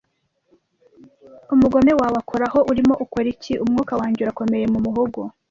Umugome wawe akoraho! urimo ukora iki? umwuka wanjye urakomeye mu muhogo,